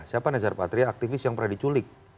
kenapa nezer patria aktivis yang pernah diculik